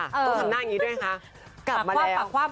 ต้องทำหน้าอย่างนี้ค่ะ